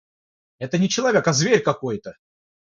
Это не человек, а зверь какой-то!